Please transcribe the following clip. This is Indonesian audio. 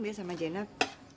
biar sama jenap